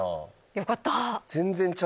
よかった！